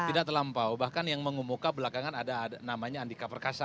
tidak terlampau bahkan yang mengumumkan belakangan ada namanya andika perkasa